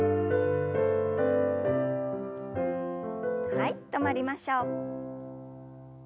はい止まりましょう。